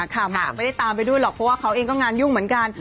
หมากไม่ได้ตามไปด้วยหรอกเพราะว่าเขาเองก็งานยุ่งเหมือนกัน